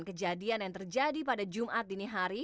kejadian yang terjadi pada jumat dini hari